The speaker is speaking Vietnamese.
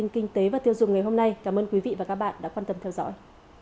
kinh tế và tiêu dùng ngày hôm nay cảm ơn quý vị và các bạn đã quan tâm theo dõi